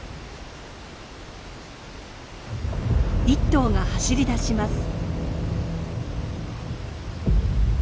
１頭が走り出します。